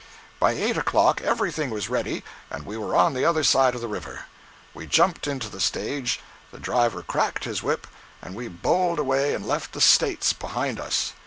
By eight o'clock everything was ready, and we were on the other side of the river. We jumped into the stage, the driver cracked his whip, and we bowled away and left "the States" behind us.